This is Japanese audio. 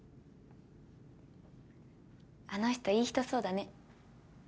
あの人良い人そうだね。